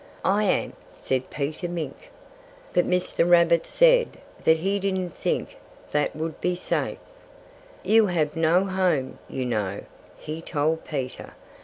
"I am!" said Peter Mink. But Mr. Rabbit said he didn't think that would be safe. "You have no home, you know," he told Peter.